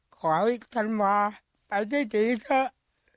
ขอให้ธันวาไปดีเถอะ